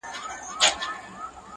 له ږيري ئې واخيست پر برېت ئې کښېښووی.